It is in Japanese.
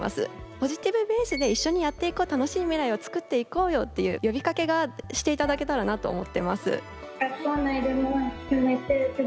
ポジティブベースで一緒にやっていこう楽しい未来を作っていこうよっていう呼びかけがして頂けたらなと思ってます。